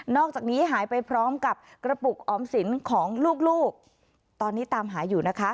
อกจากนี้หายไปพร้อมกับกระปุกออมสินของลูกตอนนี้ตามหาอยู่นะคะ